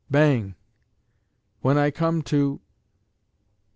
Bang!... When I come to....